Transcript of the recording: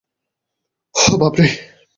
ওহ, বাপরে।